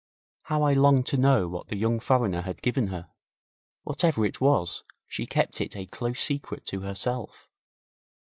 How I longed to know what the young foreigner had given her. Whatever it was, she kept it a close secret to herself.